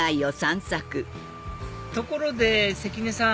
ところで関根さん